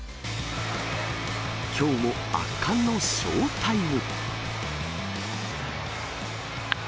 きょうも圧巻のショータイム。